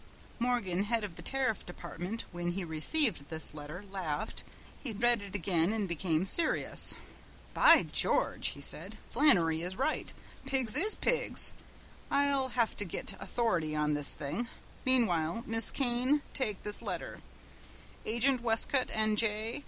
Morgan, head of the Tariff Department, when he received this letter, laughed. He read it again and became serious. "By George!" he said, "Flannery is right, 'pigs is pigs.' I'll have to get authority on this thing. Meanwhile, Miss Kane, take this letter: Agent, Westcote, N. J.